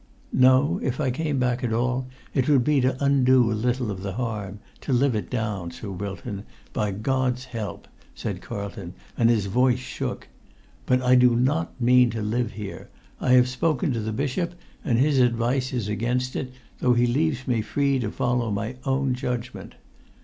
"No; if I came at all, it would be to undo a little of the harm—to live it down, Sir Wilton, by God's help!" said Carlton, and his voice shook. "But I do not mean to live here. I have spoken to the bishop, and his advice is against it, though he leaves me free to follow my own judgment.